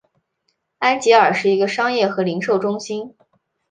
安吉尔是一个商业和零售中心。